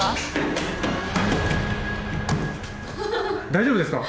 大丈夫ですか？